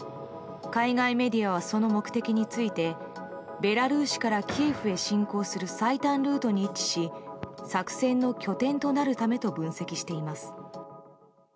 海外メディアはその目的についてベラルーシからキエフへ侵攻する最短ルートに位置し作戦の拠点となるためと分析しています。